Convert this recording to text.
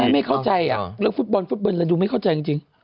ไม่เข้าใจเรื่องฟุตบอลฟุตบอลเลยดูไม่เข้าใจจริง